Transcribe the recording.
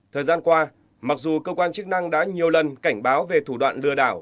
thời gian qua mặc dù cơ quan chức năng đã nhiều lần cảnh báo về thủ đoạn lừa đảo